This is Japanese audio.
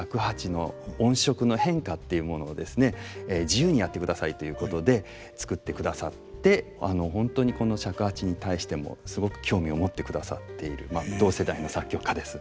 自由にやってくださいということで作ってくださって本当にこの尺八に対してもすごく興味を持ってくださっている同世代の作曲家です。